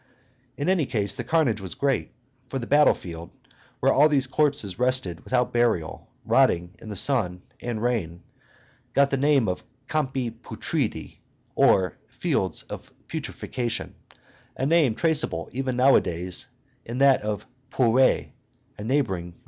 In any case, the carnage was great, for the battle field, where all these corpses rested without burial, rotting in the sun and rain, got the name of Campi Putridi, or Fields of Putrefaction, a name traceable even nowadays in that of Pourrires, a neighboring village.